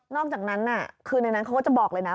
อกจากนั้นคือในนั้นเขาก็จะบอกเลยนะ